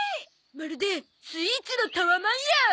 まるでスイーツのタワマンや！